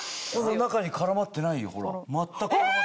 中に絡まってないよ。え！